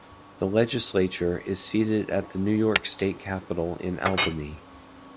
The legislature is seated at the New York State Capitol in Albany.